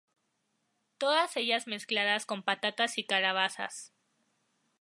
Todas ellas mezcladas con patatas y calabazas.